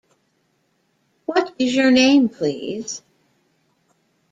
What is your name, please?